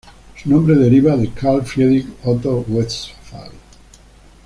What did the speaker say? Su nombre deriva de Carl Friedrich Otto Westphal.